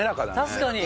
確かに！